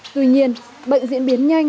tuy nhiên bệnh diễn biến nhanh